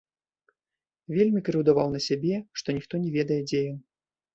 Вельмі крыўдаваў на сябе, што ніхто не ведае, дзе ён.